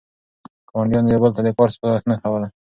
ګاونډیانو یو بل ته د کار سپارښتنه کوله.